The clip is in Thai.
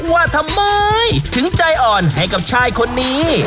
ว่าทำไมถึงใจอ่อนให้กับชายคนนี้